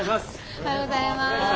おはようございます。